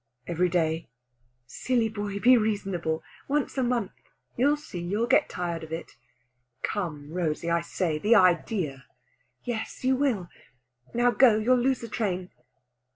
"Every day?" "Silly boy, be reasonable! Once a month! You'll see, you'll get tired of it." "Come, Rosey, I say! The idea!" "Yes, you will! Now go! You'll lose the train."